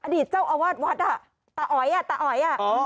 อดีตเจ้าอวาดวัดอ่ะตะออยอ่ะตะออยอ่ะ